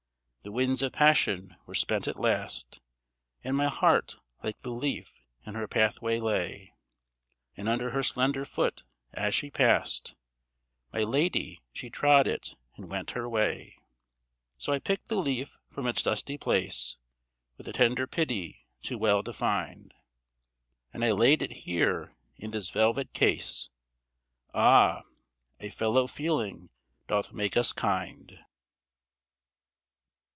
The winds of passion were spent at last, And my heart like the leaf in her pathway lay; And under her slender foot as she passed, My lady she trod it and went her way. So I picked the leaf from its dusty place, With a tender pity too well defined. And I laid it here in this velvet case, Ah! a fellow feeling doth make us kind.